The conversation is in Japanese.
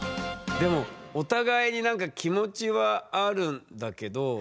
でもお互いになんか気持ちはあるんだけどなんかね。